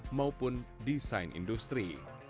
ataupun desain industri